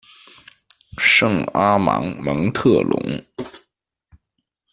圣阿芒蒙特龙。